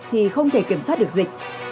thì không thể kiểm soát được dịch